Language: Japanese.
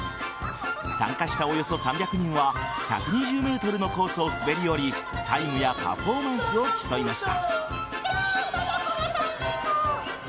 参加したおよそ３００人は１２０ｍのコースを滑り降りタイムやパフォーマンスを競いました。